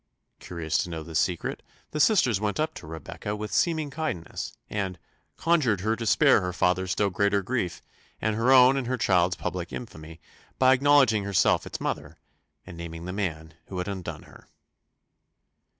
Curious to know this secret, the sisters went up to Rebecca with seeming kindness, and "conjured her to spare her father still greater grief, and her own and her child's public infamy, by acknowledging herself its mother, and naming the man who had undone her."